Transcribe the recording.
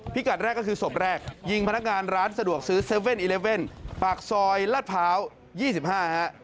กัดแรกก็คือศพแรกยิงพนักงานร้านสะดวกซื้อ๗๑๑ปากซอยลาดพร้าว๒๕ฮะ